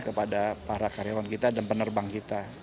kepada para karyawan kita dan penerbang kita